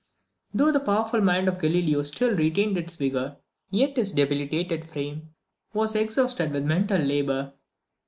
Though the powerful mind of Galileo still retained its vigour, yet his debilitated frame was exhausted with mental labour.